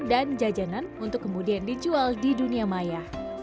dan jajanan untuk kemudian dijual di dunia maya